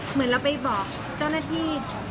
เหมือนเราไปบอกเจ้าหน้าที่